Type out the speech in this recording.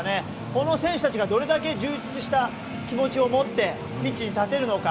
この選手たちがどれだけ充実した気持ちを持ってピッチに立てるのか。